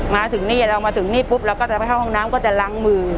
มาถึงนี่เรามาถึงนี่ปุ๊บเราก็จะไปเข้าห้องน้ำก็จะล้างมือ